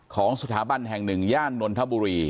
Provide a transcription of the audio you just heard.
ของสถาบันแห่ง๑ย่านนทบุรี